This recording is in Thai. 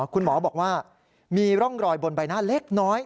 คุณหมอบอกว่ามีร่องรอยบนใบหน้าเล็กน้อย